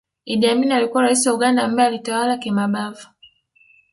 Idd Amin alikuwa Raisi wa Uganda ambaye alitawala kimabavu